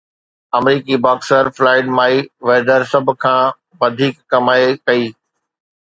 آمريڪي boxer Floyd Mayweather سڀ کان وڌيڪ ڪمائي ڪئي